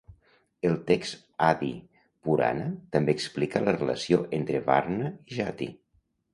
El text Adi Purana també explica la relació entre Varna i Jati.